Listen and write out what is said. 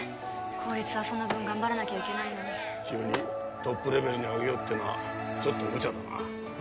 公立はその分頑張らなきゃいけないのに急にトップレベルに上げようっていうのはちょっとむちゃだな